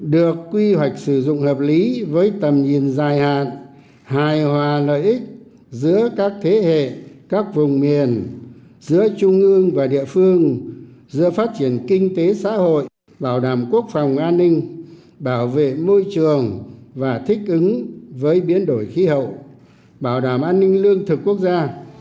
được quy hoạch sử dụng hợp lý với tầm nhìn dài hạn hài hòa lợi ích giữa các thế hệ các vùng miền giữa trung ương và địa phương giữa phát triển kinh tế xã hội bảo đảm quốc phòng an ninh bảo vệ môi trường và thích ứng với biến đổi khí hậu bảo đảm an ninh lương thực quốc gia